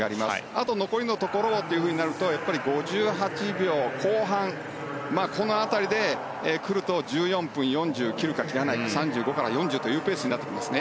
あと残りのところをというと５８秒後半この辺りで来ると１４分４０切るか切らないか３５から４０というペースになってきますね